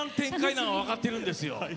なんは分かってるんですよ。